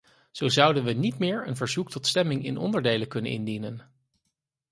Zo zouden we niet meer een verzoek tot stemming in onderdelen kunnen indienen.